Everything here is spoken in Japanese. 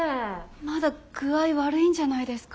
まだ具合悪いんじゃないですか？